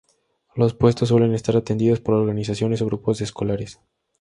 Los puestos suelen estar atendidos por organizaciones o grupos de escolares.